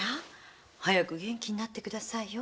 早く元気になってくださいよ。